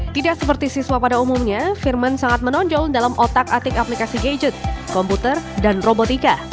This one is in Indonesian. tidak seperti siswa pada umumnya firman sangat menonjol dalam otak atik aplikasi gadget komputer dan robotika